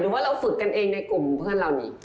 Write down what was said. ว่าเราฝึกกันเองในกลุ่มเพื่อนเรานี่